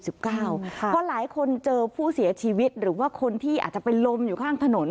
เพราะหลายคนเจอผู้เสียชีวิตหรือว่าคนที่อาจจะเป็นลมอยู่ข้างถนน